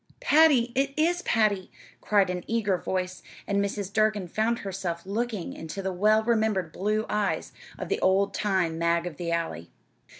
"Patty it is Patty!" cried an eager voice, and Mrs. Durgin found herself looking into the well remembered blue eyes of the old time Mag of the Alley.